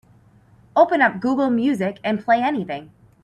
Open up Google Music and play anything.